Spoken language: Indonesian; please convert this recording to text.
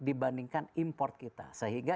dibandingkan import kita sehingga